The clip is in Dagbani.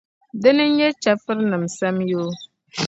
Dina n-nyɛ chεfurinim’ sanyoo.